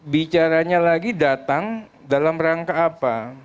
bicaranya lagi datang dalam rangka apa